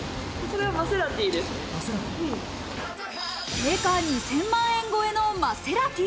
定価２０００万円超えのマセラティ！